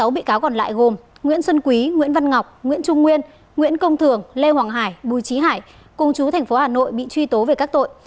sáu bị cáo còn lại gồm nguyễn xuân quý nguyễn văn ngọc nguyễn trung nguyên nguyễn công thường lê hoàng hải bùi trí hải cùng chú tp hà nội bị truy tố về các tội